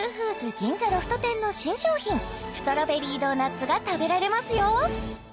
銀座ロフト店の新商品ストロベリードーナツが食べられますよ！